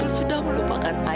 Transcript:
aku sudah terpercaya